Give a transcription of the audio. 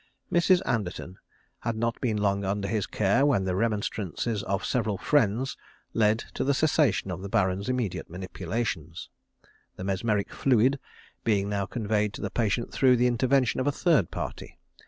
Mrs. Anderton had not been long under his care when the remonstrances of several friends led to the cessation of the Baron's immediate manipulations, the mesmeric fluid being now conveyed to the patient through the intervention of a third party.